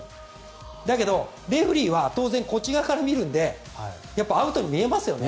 だけどレフリーは当然、こっち側から見るのでアウトに見えますよね。